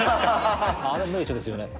あれ名著ですよね。